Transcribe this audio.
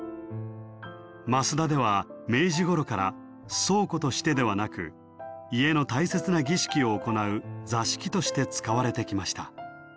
増田では明治ごろから倉庫としてではなく家の大切な儀式を行う座敷として使われてきました。